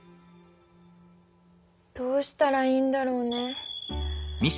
どうしたらいいんだろうね。